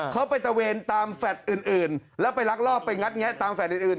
เขาไปตะเวนตามแฟลตอื่นแล้วไปลักลอบไปงัดแงะตามแลตอื่น